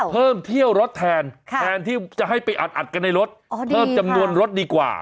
เที่ยวรถแทนแทนที่จะให้ไปอัดกันในรถเพิ่มจำนวนรถดีกว่า